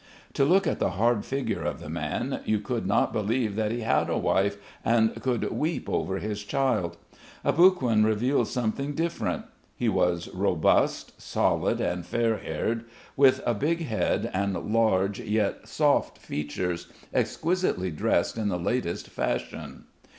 To look at the hard figure of the man, you could not believe that he had a wife and could weep over his child. Aboguin revealed something different. He was robust, solid and fair haired, with a big head and large, yet soft, features, exquisitely dressed in the latest fashion.